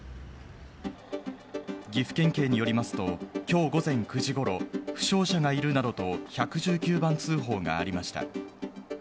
岐阜県警によりますと、きょう午前９時ごろ、負傷者がいるなどと１１９番通報がありました。